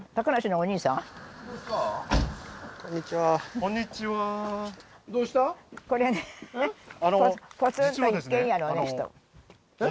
こんにちはあっ